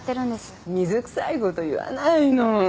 水くさいこと言わないの。